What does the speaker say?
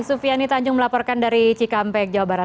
sufiani tanjung melaporkan dari cikampek jawa barat